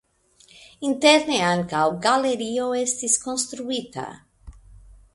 Interne ankaŭ galerio estis konstruita.